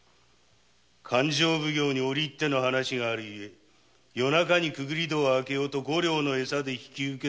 勘定奉行に折り入っての話があるゆえ夜中に潜り戸を開けよと五両のエサで引き受けさせた。